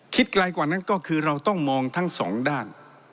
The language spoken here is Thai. ไกลกว่านั้นก็คือเราต้องมองทั้งสองด้าน